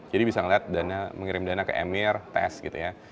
jadi bisa ngeliat mengirim dana ke emir tes gitu ya